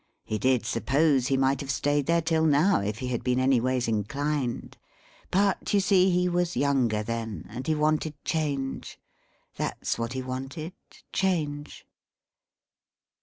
He did suppose he might have stayed there till now if he had been anyways inclined. But, you see, he was younger then, and he wanted change. That's what he wanted, change.